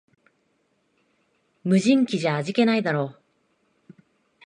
無人機じゃ味気ないだろ